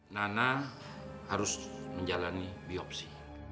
nana harus menjalani biopsi